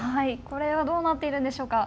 これはどうなっているんでしょうか。